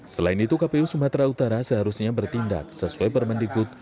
selain itu kpu sumatera utara seharusnya bertindak sesuai permendikbud